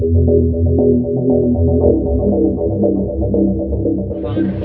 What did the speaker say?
jadi sebenarnya yang kami lakukan itu kesepakatan antara orang tua murid dan guru